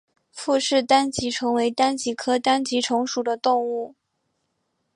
傅氏单极虫为单极科单极虫属的动物。